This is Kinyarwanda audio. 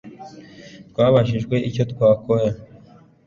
Twibajije icyo twakora